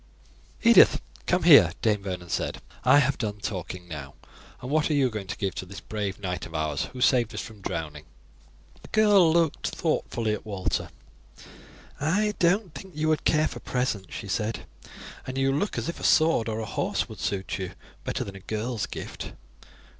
"Edith, come here," Dame Vernon said, "I have done talking now. And what are you going to give this brave knight of ours who saved us from drowning." The girl looked thoughtfully at Walter. "I don't think you would care for presents," she said; "and you look as if a sword or a horse would suit you better than a girl's gift.